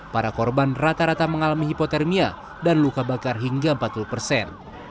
para korban rata rata mengalami hipotermia dan luka bakar hingga empat puluh persen